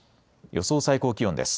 予想最高気温です。